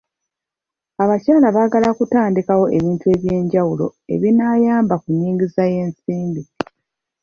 Abakyala bagala kutandikawo ebintu ebyenjawulo ebinaayamba ku nnyingiza y'ensimbi.